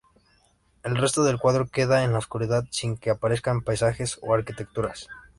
El resto del cuadro queda en la oscuridad, sin que aparezcan paisajes o arquitecturas.